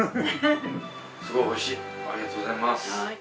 すごい美味しいありがとうございます。